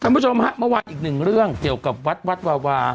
คุณผู้ชมฮะเมื่อวานอีกหนึ่งเรื่องเกี่ยวกับวัดวัดวาวา